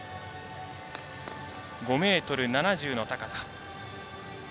５ｍ７０の高さ。